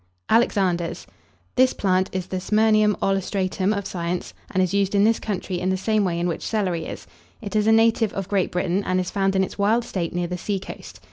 ALEXANDERS. This plant is the Smyrnium olustratum of science, and is used in this country in the same way in which celery is. It is a native of Great Britain, and is found in its wild state near the seacoast.